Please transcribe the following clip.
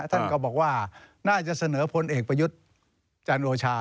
ท่านก็บอกว่าน่าจะเสนอพลเอกประยุทธ์จันโอชา